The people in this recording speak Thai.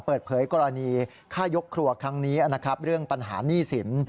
เปิดเผยกรณีฆ่ายกครัวครั้งนี้นะครับเรื่องปัญหาหนี้สิน